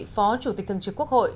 phó chủ tịch thường trực quốc hội